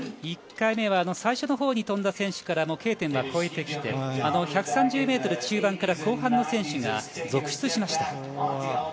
１回目は最初の方に飛んだ選手からＫ点は越えてきて１３０ｍ中盤から後半の選手が続出しました。